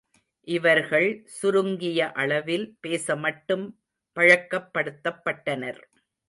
இவர்கள் சுருங்கிய அளவில் பேச மட்டும் பழக்கப்படுத்தப்பட்டனர்.